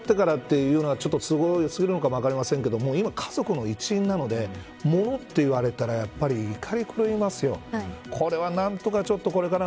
これ僕、自分が飼ってからというのは都合が良すぎるのかも分かりませんが今は家族の一員なのでものと言われたら怒り狂いますよ。